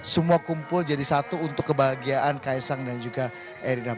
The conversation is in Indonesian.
semua kumpul jadi satu untuk kebahagiaan kaisang dan juga erina